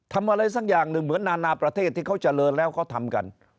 ทำอะไรสักอย่างหนึ่งเหมือนนานาประเทศที่เขาเจริญแล้วเขาทำกัน